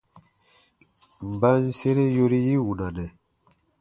Mba n sere yori yi wunanɛ ?